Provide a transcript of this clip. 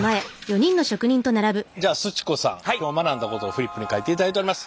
じゃあすち子さん今日学んだことをフリップに書いていただいております。